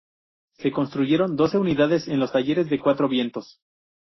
Se construyeron doce unidades en los talleres de Cuatro Vientos.